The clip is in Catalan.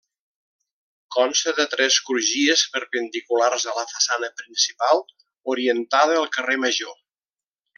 Consta de tres crugies perpendiculars a la façana principal, orientada al carrer Major.